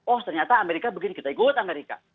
oh ternyata amerika begini kita ikut amerika